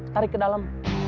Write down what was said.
tarik ke dalam